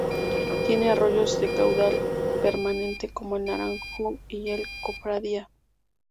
Tiene arroyos de caudal permanente como El Naranjo y El Cofradía.